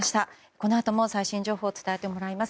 このあとも最新情報を伝えてもらいます。